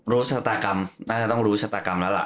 รู้ชะตากรรมน่าจะต้องรู้ชะตากรรมแล้วล่ะ